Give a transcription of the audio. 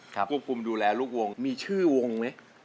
ควบคุมดูแลลูกวงมีชื่อวงไหม